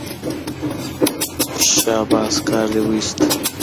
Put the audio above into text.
شاباس کار دې وایست.